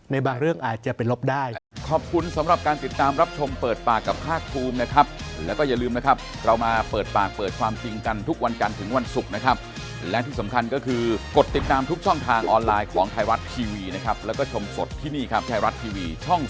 ในบางเรื่องอาจจะไปลบได้